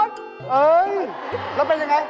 แล้วเป็นอย่างไร